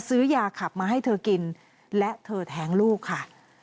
ซื้อยาขับมาให้เธอกินและเธอแท้งลูกค่ะ